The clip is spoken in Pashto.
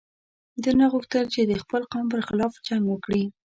ده نه غوښتل چې د خپل قوم پر خلاف جنګ وکړي.